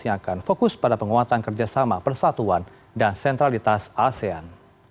yang akan fokus pada penguatan kerjasama persatuan dan sentralitas asean